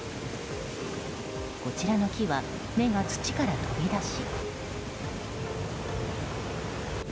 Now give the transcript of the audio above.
こちらの木は根が土から飛び出し。